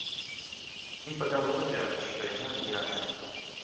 Ім падалося, што яна п'яная.